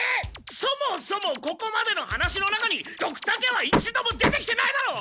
そもそもここまでの話の中にドクタケは一度も出てきてないだろ！